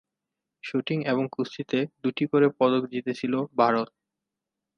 Shooting এবং কুস্তিতে দুটি করে পদক জিতেছিল ভারত।